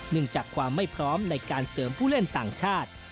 จากความไม่พร้อมในการเสริมผู้เล่นต่างชาติ